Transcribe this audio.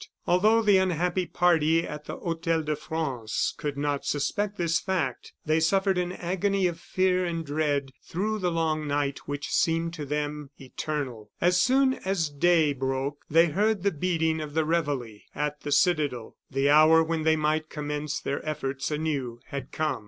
Although the unhappy party at the Hotel de France could not suspect this fact, they suffered an agony of fear and dread through the long night which seemed to them eternal. As soon as day broke, they heard the beating of the reveille at the citadel; the hour when they might commence their efforts anew had come.